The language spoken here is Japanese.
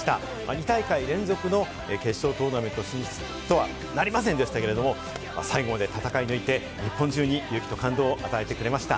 ２大会連続の決勝トーナメント進出とはなりませんでしたけれど、最後まで戦い抜いて、日本中に勇気と感動を与えてくれました。